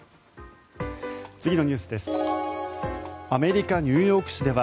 次のニュースです。